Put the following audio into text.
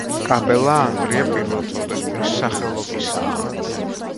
კაპელა ანდრია პირველწოდებულის სახელობისაა.